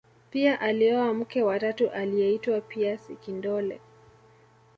pia alioa mke wa tatu aliyeitwa pia sekindole